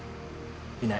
いない。